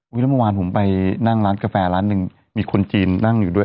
แล้วเมื่อวานผมไปนั่งร้านกาแฟร้านหนึ่งมีคนจีนนั่งอยู่ด้วย